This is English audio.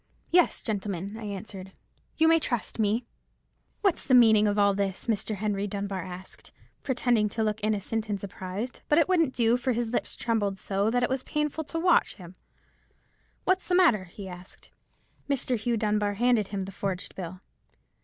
"'Yes, gentlemen,' I answered, 'you may trust me.' "'What's the meaning of all this?' Mr. Henry Dunbar asked, pretending to look innocent and surprised; but it wouldn't do, for his lips trembled so, that it was painful to watch him. 'What's the matter?' he asked. "Mr. Hugh Dunbar handed him the forged bill.